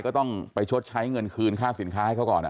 ก็ต้องไปชดใช้เงินคืนค่าสินค้าให้เขาก่อน